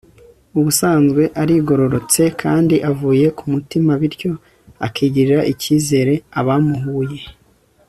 Ubusanzwe arigororotse kandi avuye ku mutima bityo akigirira ikizere abamuhuye